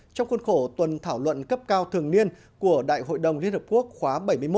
trong khuôn khổ tuần thảo luận cấp cao thường niên của đại hội đồng liên hợp quốc khóa bảy mươi một